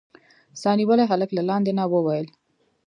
سا نيولي هلک له لاندې نه وويل.